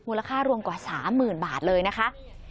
มูลค่ารวมกว่า๓หมื่นบาทเลยนะคะ